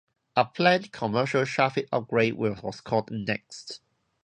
A planned commercial Shavit upgrade was called Next.